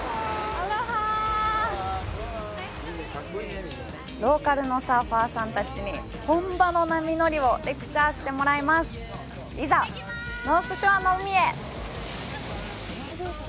アロハナイストゥミートユーローカルのサーファーさんたちに本場の波乗りをレクチャーしてもらいますいざノースショアの海へ！